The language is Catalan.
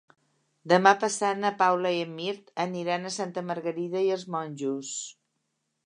Demà passat na Paula i en Mirt aniran a Santa Margarida i els Monjos.